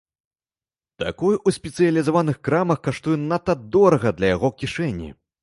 Такое ў спецыялізаваных крамах каштуе надта дорага для яго кішэні.